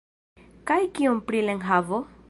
Kaj kion pri la enhavo?